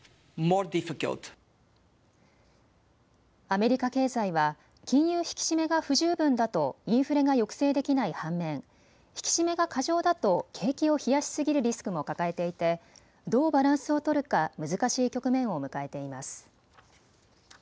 アメリカ経済は金融引き締めが不十分だとインフレが抑制できない反面、引き締めが過剰だと景気を冷やしすぎるリスクも抱えていてどうバランスを取るか難しい局面を迎えています。